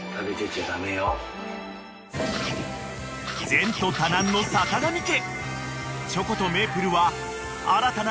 ［前途多難のさかがみ家］